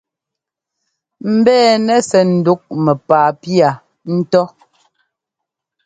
Mbɛ́ɛnɛ sɛ ŋdǔk mɛ́paa pía ńtó.